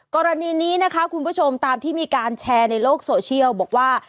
กรณีนี้นะคะคุณผู้ชมตามที่มีการแชร์ในโลกโซเชียลบอกว่า